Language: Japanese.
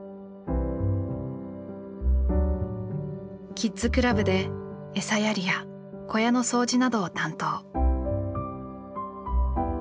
キッズクラブでエサやりや小屋の掃除などを担当。